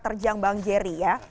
perjang bang jerry ya